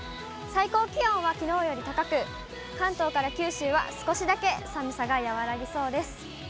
最高気温はきのうより高く、関東から九州は少しだけ寒さが和らぎそうです。